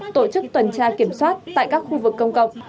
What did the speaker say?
tổ chức tuần tra kiểm soát tại các khu vực công cộng